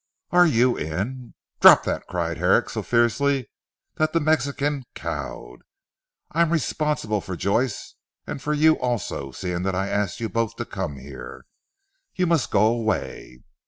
"Are you in " "Drop that!" cried Herrick so fiercely that the Mexican was cowed. "I am responsible for Joyce and for you also, seeing that I asked you both to come here. You must go away."